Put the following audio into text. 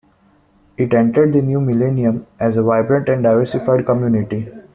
It entered the new millennium as a vibrant and diversified community.